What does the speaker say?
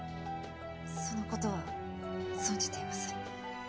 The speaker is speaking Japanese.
その事は存じています。